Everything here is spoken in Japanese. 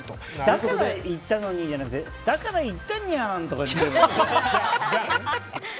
だから言ったのにじゃなくてだから言ったにゃん！とか。